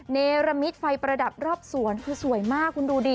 เนรมิตไฟประดับรอบสวนคือสวยมากคุณดูดิ